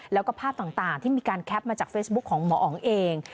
แล้วก็ภาพต่างที่มีการแคปมาจากเฟซบุ๊คของหมออ๋องเอง